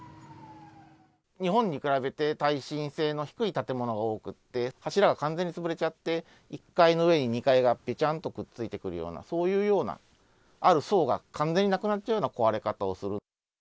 日本に比べて、耐震性の低い建物が多くって、柱が完全に潰れちゃって、１階の上に２階がぺちゃんとくっついてくるような、そういうような、ある層が完全になくなっちゃうような壊れ方をする。